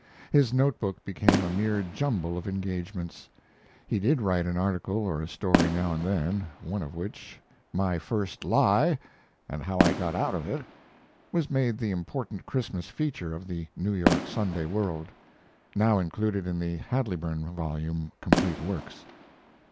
His note book became a mere jumble of engagements. He did write an article or a story now and then, one of which, "My First Lie, and How I Got Out of It," was made the important Christmas feature of the 'New York Sunday World.' [Now included in the Hadleyburg volume; "Complete Works."